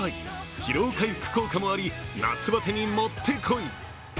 疲労回復効果もあり、夏バテにもってこい。